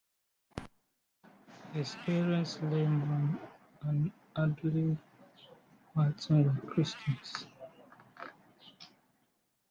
His parents Lyman and Adele Martin were Christians.